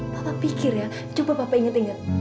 papa pikir ya cukup papa inget inget